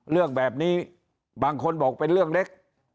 เรื่องแบบนี้บางคนบอกเป็นเรื่องเล็ก